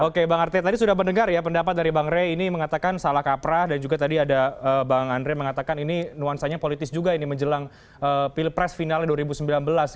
oke bang arte tadi sudah mendengar ya pendapat dari bang rey ini mengatakan salah kaprah dan juga tadi ada bang andre mengatakan ini nuansanya politis juga ini menjelang pilpres finalnya dua ribu sembilan belas